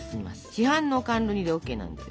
市販の甘露煮でＯＫなんですよ。